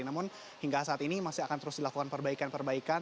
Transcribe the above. namun hingga saat ini masih akan terus dilakukan perbaikan perbaikan